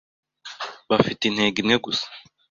bafite intego imwe gusa